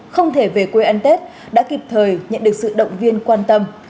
không thể về quê ăn tết đã kịp thời nhận được sự động viên quan tâm